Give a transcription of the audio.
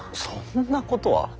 そんなことは。